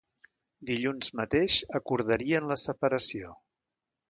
Dilluns mateix acordarien la separació.